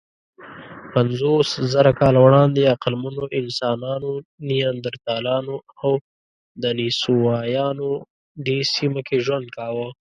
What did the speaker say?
پنځوسزره کاله وړاندې عقلمنو انسانانو، نیاندرتالانو او دنیسووایانو دې سیمه کې ژوند کاوه.